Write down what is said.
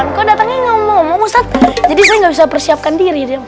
engkau datangnya ngomong ustadz jadi saya nggak bisa persiapkan diri